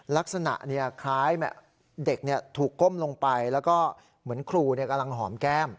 ลักษณะคล้ายเด็กถูกก้มลงไปแล้วก็เหมือนครูกำลังหอมแก้ม